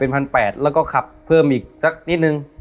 ๑๘๐๐บาทแล้วก็ขับเพิ่มอีกสักนิดนึง